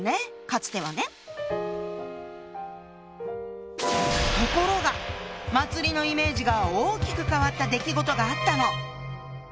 かつてはね。「祭」のイメージが大きく変わった出来事があったの！